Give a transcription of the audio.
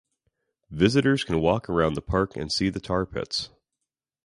Visitors can walk around the park and see the tar pits.